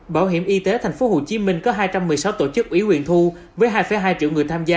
bảo hiểm y tế tp hcm có hai trăm một mươi sáu tổ chức ủy quyền thu với hai hai triệu người tham gia